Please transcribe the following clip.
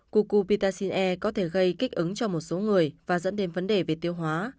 cucupitacin e có thể gây kích ứng cho một số người và dẫn đến vấn đề về tiêu hóa